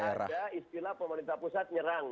jangan lagi ada istilah pemerintah pusat nyerang